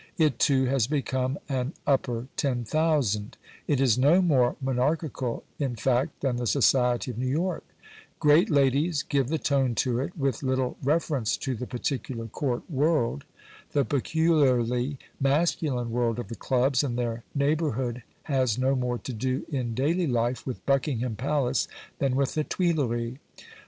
It, too, has become an "upper ten thousand"; it is no more monarchical in fact than the society of New York. Great ladies give the tone to it with little reference to the particular Court world. The peculiarly masculine world of the clubs and their neighbourhood has no more to do in daily life with Buckingham Palace than with the Tuileries.